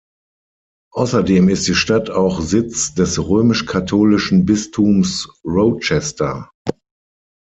Außerdem ist die Stadt auch Sitz des römisch-katholischen Bistums Rochester.